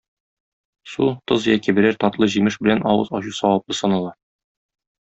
Су, тоз яки берәр татлы җимеш белән авыз ачу саваплы санала.